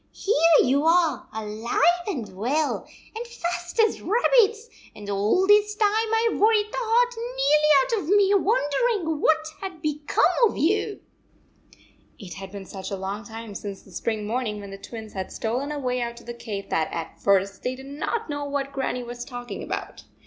" Here you are alive and well, and fat as rabbits, and all this time I Ve worried the heart nearly out of me wondering what had become of you ! It had been such a long time since the spring morning when the Twins had stolen away out of the cave that at first they did not know what Grannie was talking about.